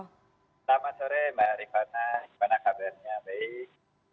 selamat sore mbak rifana gimana kabarnya baik